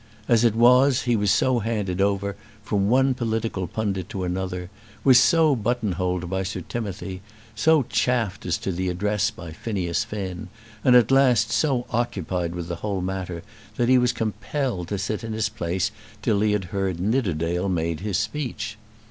As it was he was so handed over from one political pundit to another, was so buttonholed by Sir Timothy, so chaffed as to the address by Phineas Finn, and at last so occupied with the whole matter that he was compelled to sit in his place till he had heard Nidderdale make his speech.